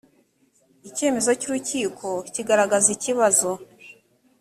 icyemezo cy urukiko kigaragaza ikibazo